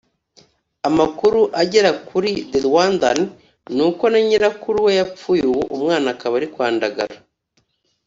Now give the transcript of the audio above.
Amakuru agera kuri The Rwandan n’uko na nyirakuru we yapfuye ubu umwana akaba ari kwandagara